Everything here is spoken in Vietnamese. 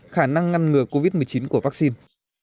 khả năng truyền thống của vaccine